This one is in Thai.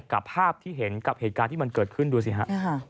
กับภาพที่เห็นกับเหตุการณ์ที่มันเกิดขึ้นดูสิฮะ